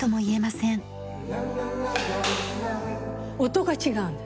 音が違うんです。